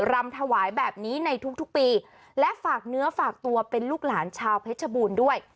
รำถวายแบบนี้ในทุกทุกปีและฝากเนื้อฝากตัวเป็นลูกหลานชาวเพชรบูรณ์ด้วย